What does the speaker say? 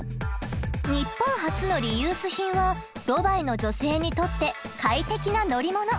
ニッポン発のリユース品はドバイの女性にとって快適な乗り物！